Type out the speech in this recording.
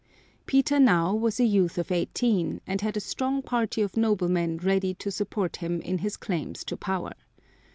Peter now was a youth of eighteen, and had a strong party of noblemen ready to support him in his claims to power.